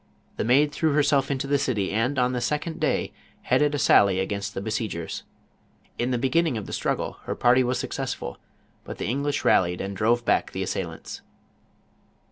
The Maid threw herself into the city, and, on the second day, headed a sally against the besiegers. In the beginning of the strng gjfc her ^irty was suc2essful, but the English rallied, and drove back the assailants.